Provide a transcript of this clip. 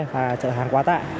và chở hàng quá tải